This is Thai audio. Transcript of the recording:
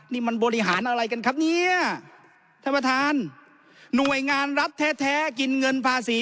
นี่มันบริหารอะไรกันครับเนี่ยท่านประธานหน่วยงานรัฐแท้แท้กินเงินภาษี